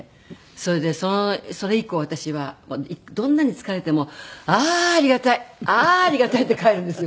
それでそれ以降私はどんなに疲れても「ああーありがたいああーありがたい」って帰るんですよ。